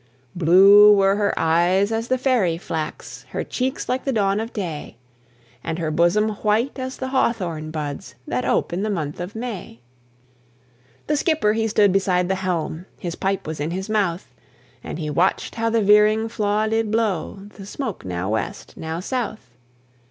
Blue were her eyes as the fairy flax, Her cheeks like the dawn of day, And her bosom white as the hawthorn buds That ope in the month of May. The skipper he stood beside the helm, His pipe was in his mouth, And he watched how the veering flaw did blow The smoke now west, now south.